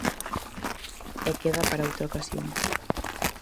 E queda para outra ocasión.